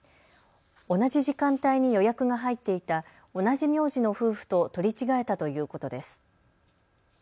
同じ時間帯に予約が入っていた同じ名字の夫婦と取り違えたということです。